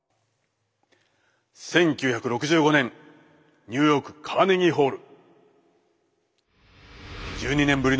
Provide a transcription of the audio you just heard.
１９６５年ニューヨークカーネギーホール！